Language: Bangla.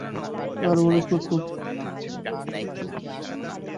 R1, smartphone.